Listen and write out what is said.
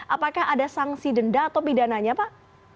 apakah ada sanksi denda atau pidananya pak